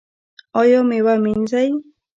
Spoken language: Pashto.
ایا میوه مینځئ؟